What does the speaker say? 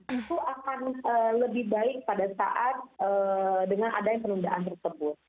itu akan lebih baik pada saat dengan adanya penundaan tersebut